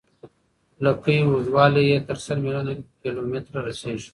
لکۍ اوږدوالی یې تر سل میلیون کیلومتره رسیږي.